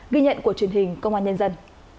ghi nhận của truyền hình công an nhân dân